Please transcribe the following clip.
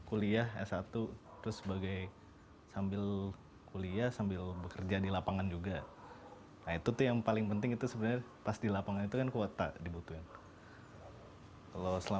udah cukup membantu kok